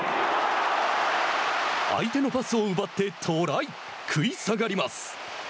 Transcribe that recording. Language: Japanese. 相手のパスを奪ってトライ食い下がります。